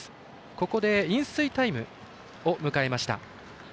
ここで飲水タイムを迎えました。